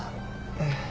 ええ。